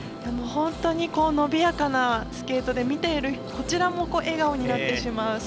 本当に伸びやかなスケートで見ているこちらも笑顔になってしまう